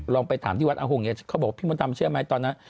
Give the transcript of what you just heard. ลองไปถามที่วัดอาหงษ์เขาบอกว่าพี่มนตรามเชื่อไหมตอนนั้น